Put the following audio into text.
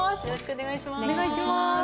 よろしくお願いします。